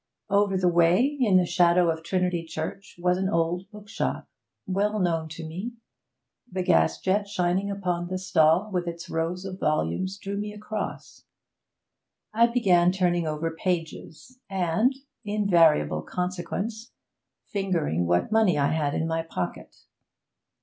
Over the way, in the shadow of Trinity Church, was an old bookshop, well known to me: the gas jet shining upon the stall with its rows of volumes drew me across. I began turning over pages, and invariable consequence fingering what money I had in my pocket.